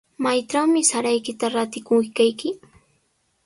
¿Maytrawmi saraykita ratikurqayki?